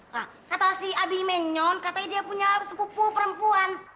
nah kata si abi menyon katanya dia punya sepupu perempuan